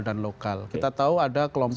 dan lokal kita tahu ada kelompok